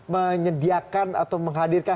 menyediakan atau menghadirkan